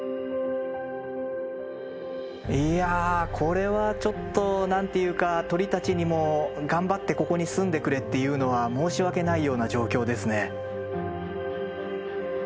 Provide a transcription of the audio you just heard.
いやこれはちょっと何て言うか鳥たちにも頑張ってここに住んでくれっていうのは申し訳ないような状況ですね。